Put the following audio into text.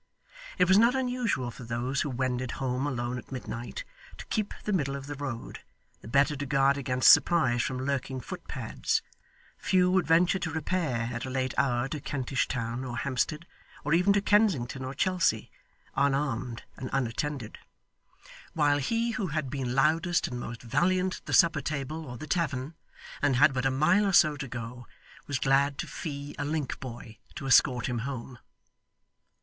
It was not unusual for those who wended home alone at midnight, to keep the middle of the road, the better to guard against surprise from lurking footpads; few would venture to repair at a late hour to Kentish Town or Hampstead, or even to Kensington or Chelsea, unarmed and unattended; while he who had been loudest and most valiant at the supper table or the tavern, and had but a mile or so to go, was glad to fee a link boy to escort him home.